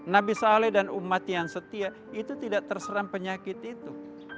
nabi saleh dan umat yang setia itu tidak terseram penyakit itu